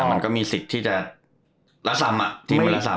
มันก็มีสิทธิ์ที่จะละซ้ำที่วันละ๓๐